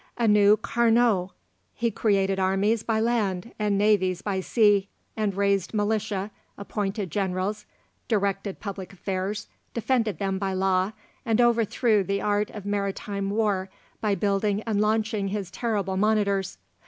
A new Carnot, he created armies by land and navies by sea, raised militia, appointed generals, directed public affairs, defended them by law, and overthrew the art of maritime war by building and launching his terrible monitors.